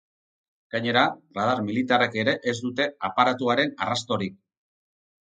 Gainera, radar militarrek ere ez dute aparatuaren arrastorik.